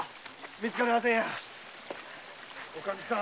見つかりません。